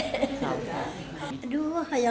saya ingin disadarkan